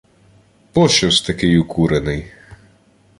— Пощо-с такий укурений?